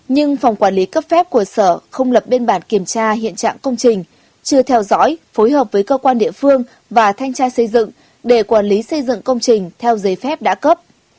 nhưng phòng quản lý cấp phép của sở không lập biên bản kiểm tra hiện trạng công trình chưa theo dõi phối hợp với cơ quan địa phương và thanh tra xây dựng để quản lý xây dựng công trình theo giấy phép đã cấp